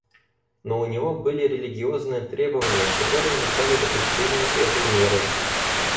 Но у него были религиозные требования, которые мешали допущению этой меры.